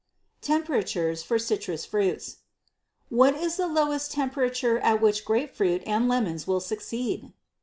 Temperatures for Citrus Fruits. What is the lowest temperature at which grapefruit and lemons will succeed?